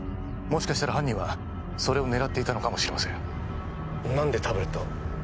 もしかしたら犯人はそれを狙っていたのかもしれません何でタブレットを？